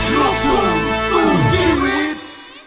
ลูกทุ่งสู้ชีวิต